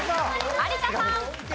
有田さん。